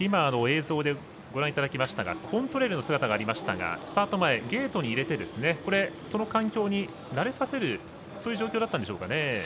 今、映像でご覧いただきましたがコントレイルの姿ありましたがスタート前、ゲートに入れてその環境に慣れさせるそういう状況だったんでしょうかね。